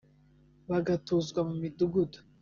bagatuzwa mu midugudu